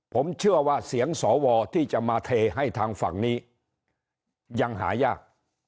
ผมเชื่อว่าเสียงสวที่จะมาเทให้ทางฝั่งนี้ยังหายาก